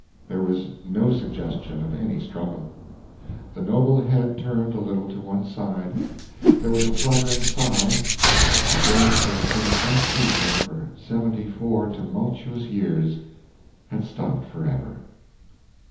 There was no suggestion of any struggle. The noble head turned a little to one side, there was a fluttering sigh, and the breath that had been unceasing for seventy four tumultuous years had stopped forever.